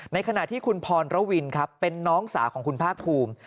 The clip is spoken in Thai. ในขณะที่คุณพรระวินครับเป็นน้องสาวของคุณภาคภูมิ